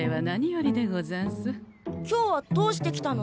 今日はどうして来たの？